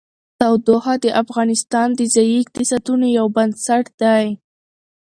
تودوخه د افغانستان د ځایي اقتصادونو یو بنسټ دی.